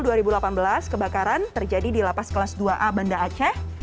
di kebakaran terjadi di lapas kelas dua a banda aceh